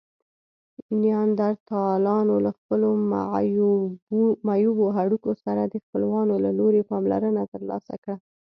نیاندرتالانو له خپلو معیوبو هډوکو سره د خپلوانو له لوري پاملرنه ترلاسه کړه.